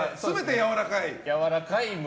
やわらかい村。